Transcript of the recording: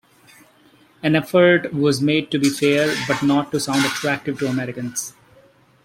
An effort was made to be fair but not to sound attractive to Americans.